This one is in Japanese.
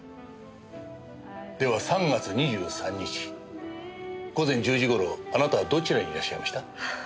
では３月２３日午前１０時頃あなたはどちらにいらっしゃいました？